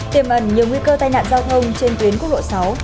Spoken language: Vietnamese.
tiềm ẩn nhiều nguy cơ tai nạn giao thông trên tuyến quốc lộ sáu